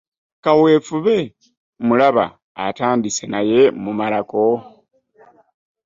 Kaweefube mmulaba atandise naye mumalako.